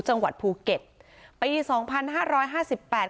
จังหวัดภูเก็ตปีสองพันห้าร้อยห้าสิบแปด